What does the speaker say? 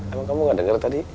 emang kamu gak denger tadi